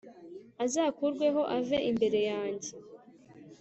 azakurweho ave imbere yanjye